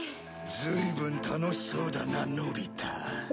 ずいぶん楽しそうだなのび太。